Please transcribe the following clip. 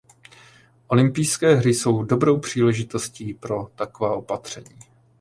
Olympijské hry jsou dobrou příležitostí pro taková opatření.